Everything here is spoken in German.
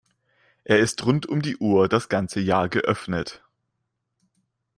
Er ist rund um die Uhr das ganze Jahr geöffnet.